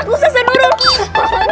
aku usah senurut